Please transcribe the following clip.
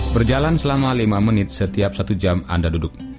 berjalan selama lima menit setiap satu jam anda duduk